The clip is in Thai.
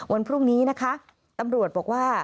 วันพรุ่งนี้นะคะตำรวจบอกว่า